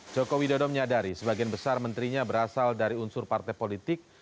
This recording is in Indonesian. joko widodo menyadari sebagian besar menterinya berasal dari unsur partai politik